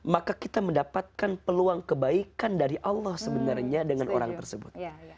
maka kita mendapatkan peluang kebaikan dari allah sebenarnya dengan orang tersebut